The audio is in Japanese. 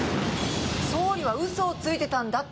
総理は嘘をついてたんだって！